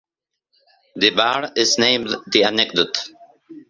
The bar is named "The Anecdote".